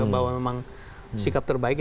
bahwa memang sikap terbaik